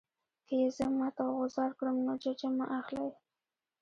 که یې زه مات او غوځار کړم نو ججه مه اخلئ.